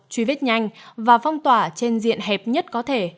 truy vết nhanh và phong tỏa trên diện hẹp nhất có thể